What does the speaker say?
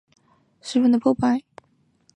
此时三陵衙门已十分破败。